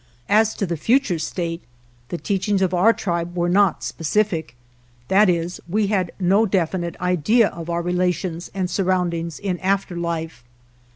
As to the future state, the teachings of our tribe were not specific, that is, we had no definite idea of our relations and surroundings in after life.